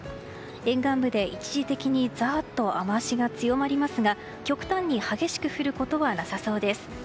沿岸部で一時的にザーッと雨脚が強まりますが極端に激しく降ることはなさそうです。